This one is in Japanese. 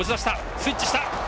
スイッチした！